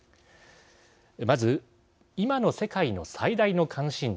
まず今の世界の最大の関心事